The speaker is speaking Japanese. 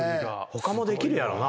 他もできるやろな。